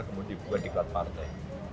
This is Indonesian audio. kemudian dibuat diklat partai